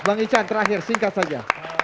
bang ican terakhir singkat saja